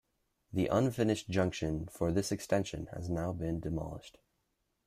The unfinished junction for this extension has now been demolished.